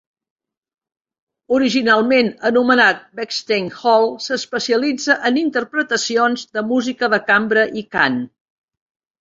Originalment anomenat Bechstein Hall, s'especialitza en interpretacions de música de cambra i cant.